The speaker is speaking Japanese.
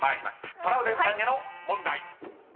トラウデンさんへの問題］